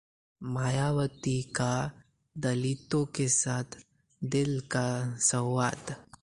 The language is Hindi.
मायावती का दलितों के साथ दिल का संवाद